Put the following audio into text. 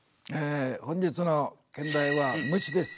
本日の兼題は「虫」です。